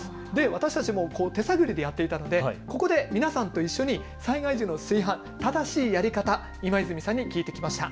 私たちも手探りでやっていたのでここで皆さんと一緒に災害時の炊飯、正しいやり方、今泉さんに聞いてきました。